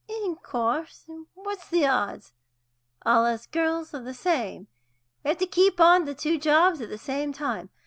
"In course. What's the odds? All us girls are the same; we have to keep on the two jobs at the same time.